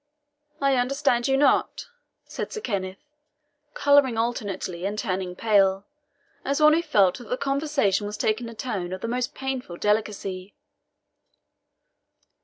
"I understand you not," said Sir Kenneth, colouring alternately, and turning pale, as one who felt that the conversation was taking a tone of the most painful delicacy.